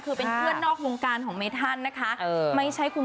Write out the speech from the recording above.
คือเป็นเพื่อนของเกราะที่ไม่ใช่เธอ